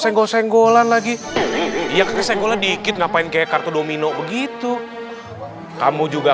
senggol senggolan lagi ya senggolan dikit ngapain kayak kartu domino begitu kamu juga